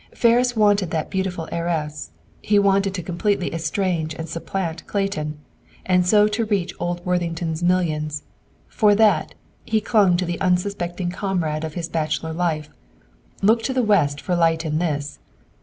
Ferris wanted that beautiful heiress; he wanted to completely estrange and supplant Clayton, and so to reach old Worthington's millions. For that, he clung to the unsuspecting comrade of his bachelor life. Look to the West for light in this!